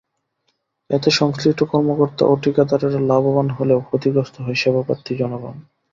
এতে সংশ্লিষ্ট কর্মকর্তা ও ঠিকাদারেরা লাভবান হলেও ক্ষতিগ্রস্ত হয় সেবাপ্রার্থী জনগণ।